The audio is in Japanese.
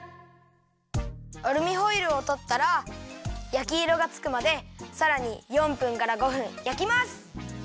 アルミホイルをとったら焼きいろがつくまでさらに４分から５分焼きます。